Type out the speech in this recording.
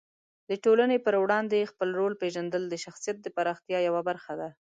د ټولنې په وړاندې خپل رول پېژندل د شخصیت د پراختیا یوه برخه ده.